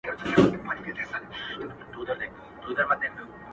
اوس دي لا د حسن مرحله راغلې نه ده.